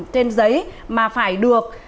trên giấy mà phải được